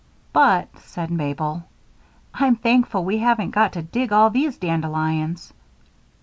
"But," said Mabel, "I'm thankful we haven't got to dig all these dandelions."